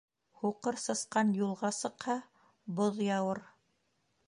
Һуҡыр сысҡан юлға сыҡһа, боҙ яуыр.